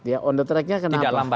tidak lambat ya pak ya